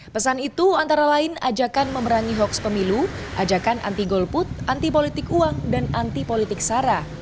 pesan itu antara lain ajakan memerangi hoax pemilu ajakan anti golput anti politik uang dan anti politik sara